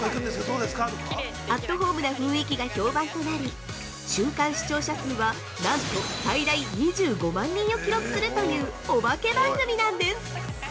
アットホームな雰囲気が評判となり、瞬間視聴者数はなんと最大２５万人を記録するというオバケ番組なんです！